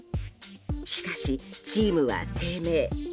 しかし、チームは低迷。